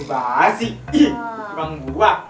ah anggur basi ihh bang buah